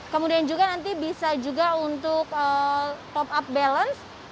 kemudian juga nanti bisa juga untuk top up balance